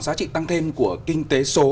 giá trị tăng thêm của kinh tế số